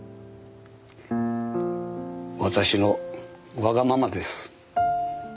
私のわがままです。